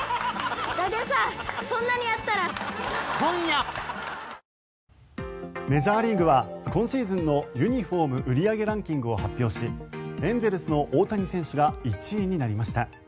睡眠サポート「グリナ」メジャーリーグは今シーズンのユニホーム売り上げランキングを発表しエンゼルスの大谷選手が１位になりました。